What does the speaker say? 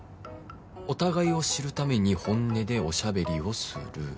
「お互いを知るために本音でおしゃべりをする」